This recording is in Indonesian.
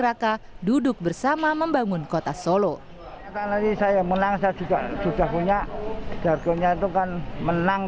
rata duduk bersama membangun kota solo saya menang saya juga sudah punya jargonnya itu kan menang